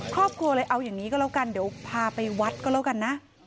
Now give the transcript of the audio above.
ครอบครัวเลยเอาอย่างนี้ก็แล้วกันเดี๋ยวพาไปวัดก็แล้วกันนะ